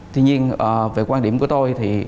tuy nhiên về quan điểm của tôi thì